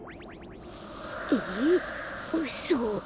えっうそ！？